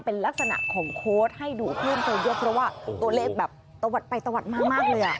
เป็นลักษณะของโคสต์ให้ดูเพื่อนตัวเดียวเพราะว่าตัวเลขตวดไปตวดมากเลย